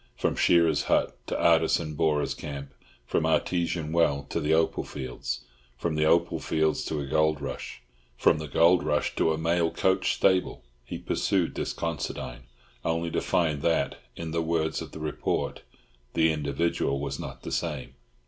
From shearers' hut to artesian borers' camp, from artesian well to the opal fields, from the opal fields to a gold rush, from the gold rush to a mail coach stable, he pursued this Considine, only to find that, in the words of the report, "the individual was not the same."